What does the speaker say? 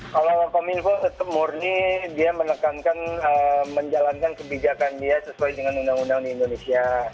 kalau kominfo tetap murni dia menekankan menjalankan kebijakan dia sesuai dengan undang undang di indonesia